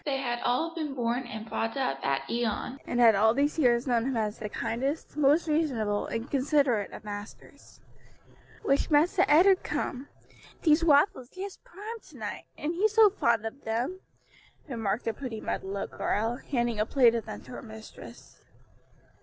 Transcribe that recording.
They had all been born and brought up at Ion, and had all these years known him as the kindest, most reasonable and considerate of masters. "Wish Massa Edard come. Dese waffles jes' prime to night, an' he so fond ob dem," remarked a pretty mulatto girl, handing a plate of them to her mistress.